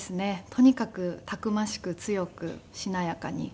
とにかくたくましく強くしなやかに。